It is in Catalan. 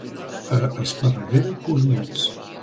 A Esparreguera, cornuts.